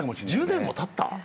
１０年もたった？